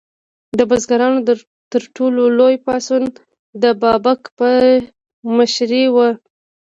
د بزګرانو تر ټولو لوی پاڅون د بابک په مشرۍ و.